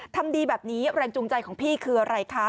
ทำดีแบบนี้แรงจูงใจของพี่คืออะไรคะ